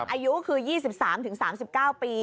อายุคือ๒๓๓๙ปี